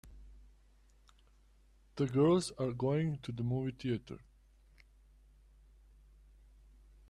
The girls are going to the movie theater.